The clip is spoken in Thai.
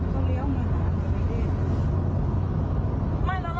ก็เลี้ยวหมาไม่ได้ไม่แล้วเราจอดอยู่เถิดอยู่ไอดีไม่ใช่หรอ